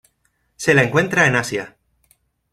Se la encuentra en Asia.